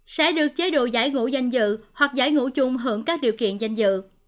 sẽ được chế độ giải ngũ danh dự hoặc giải ngũ chung hưởng các điều kiện danh dự